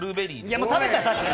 いや、食べたさっき！